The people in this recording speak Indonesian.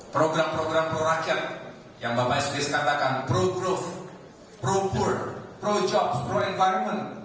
program program pro rakyat yang bapak s p s katakan pro growth pro poor pro jobs pro environment